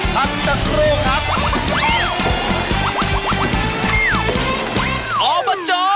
พักสักครู่ครับ